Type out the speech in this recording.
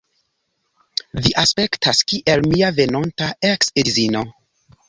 Vi aspektas kiel mia venonta eks-edzino.